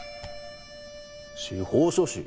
司法書士？